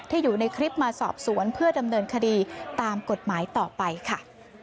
อยู่ในคลิปมาสอบสวนเพื่อดำเนินคดีตามกฎหมายต่อไปค่ะ